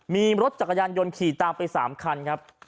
มีรถจักรยานยนต์ขี่ตามไป๓คันครับ